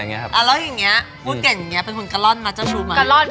กะล่อนพี่กะว่ากะล่อนเจ้าชู้